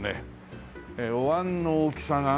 おわんの大きさが。